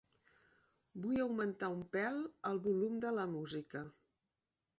Vull augmentar un pèl el volum de la música.